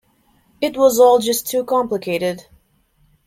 It was all just too complicated.